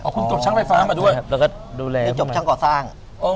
อ๋อคุณจบชั้นไฟฟ้ามาด้วยแล้วก็ดูแลจบชั้นก่อสร้างอ๋อ